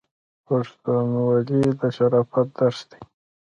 پښتونولي د شرافت درس دی.